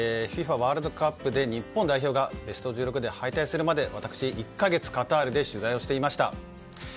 ワールドカップで日本代表がベスト１６で敗退するまで私、１か月カタールで取材をしていました。